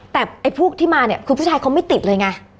แต่ไอ้พวกที่มาเนี่ยคือผู้ชายเขาไม่ติดเลยไง